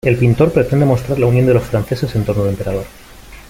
El pintor pretende mostrar la unión de los franceses en torno al Emperador.